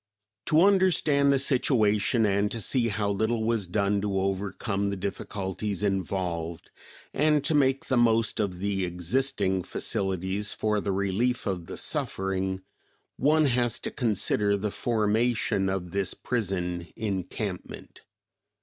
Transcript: To understand the situation and to see how little was done to overcome the difficulties involved, and to make the most of the existing facilities for the relief of the suffering, one has to consider the formation of this prison encampment.